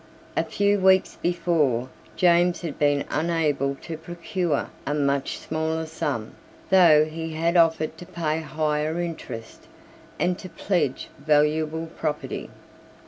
A few weeks before, James had been unable to procure a much smaller sum, though he had offered to pay higher interest, and to pledge valuable property.